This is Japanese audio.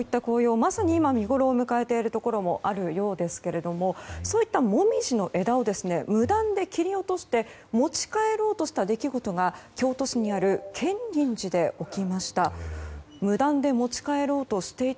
まさに今見ごろを迎えているところもあるようですがそういったモミジの枝を無断で切り落として持ち帰ろうとした出来事が京都市にある建仁寺で起きました。